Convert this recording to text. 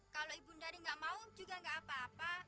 kalau ibu dari gak mau juga gak apa apa